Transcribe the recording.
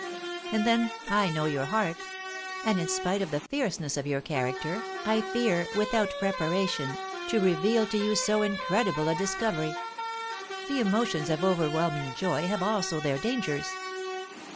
And then, I know your heart; and in spite of the fierceness of your character, I fear, without preparation, to reveal to you so incredible a discovery. The emotions of overwhelming joy have also their dangers."